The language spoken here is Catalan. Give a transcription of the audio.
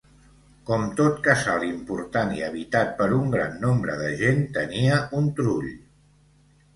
Com tot casal important i habitat per un gran nombre de gent, tenia un trull.